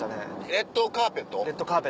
『レッドカーペット』。